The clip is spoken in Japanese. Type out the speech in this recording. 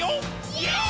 イエーイ！！